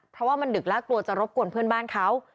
เพราะว่ามันดึกแล้วกลัวจะรบกวนเพื่อนบ้านเขา